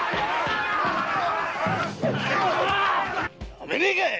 やめねえかい！